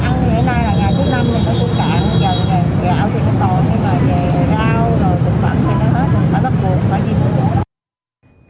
phải bắt buộc phải đi mua